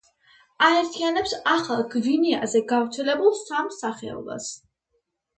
აერთიანებს ახალ გვინეაზე გავრცელებულ სამ სახეობას.